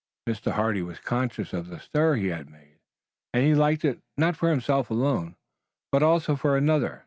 Mr. Hardy was conscious of the stir he had made, and he liked it, not for himself alone, but also for another.